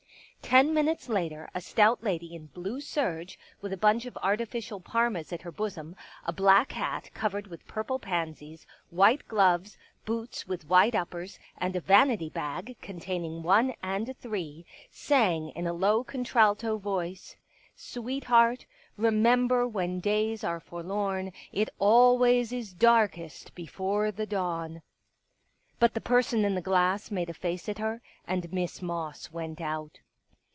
Ten minutes later, a stout lady in blue serge, with a bunch of artificial " parmas " at her bosom, a black hat covered with purple pansies, white gloves, boots with white uppers, and a vanity bag containing one and three, sang in a low contralto voice : I Sweet heart, remember when days are forlorn It al ways is dar kest before the dawn. But the person in the glass made a face at her, and Miss Moss went out.